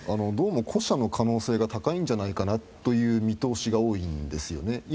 どうも、後者の可能性が高いんじゃないかという見通しが多いんですよね。